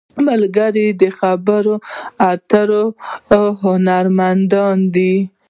ملګری د خبرو اترو هنرمند دی